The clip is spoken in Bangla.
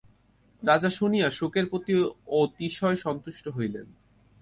রাজা শুনিয়া শুকের প্রতি অতিশয় সন্তুষ্ট হইলেন।